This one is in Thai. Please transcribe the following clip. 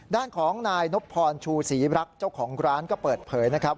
ด้านของนายนบพรชูศรีรักษ์เจ้าของร้านก็เปิดเผยนะครับ